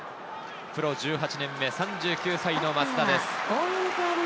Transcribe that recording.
プロ１８年目、３９歳の松田です。